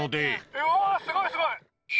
うわすごいすごい！